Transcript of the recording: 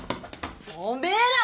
おめえら！